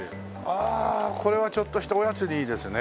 ああこれはちょっとしたおやつにいいですね。